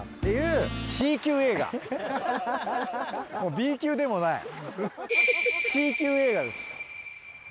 Ｂ級でもないＣ級映画です。